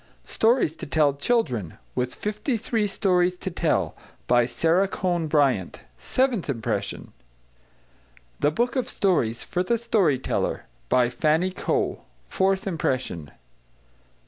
=Stories to Tell to Children= With Fifty Three Stories to Tell. By SARA CONE BRYANT. Seventh Impression. =The Book of Stories for the Story Teller= By FANNY COE. Fourth Impression.